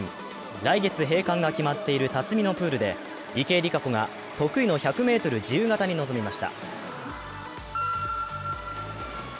来月閉館が決まっている辰巳のプールで池江璃花子が得意の１００ｍ自由形に臨みました。